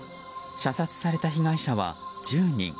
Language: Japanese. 射殺された被害者は１０人。